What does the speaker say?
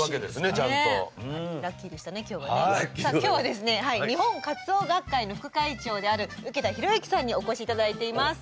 今日は日本カツオ学会の副会長である受田浩之さんにお越し頂いています。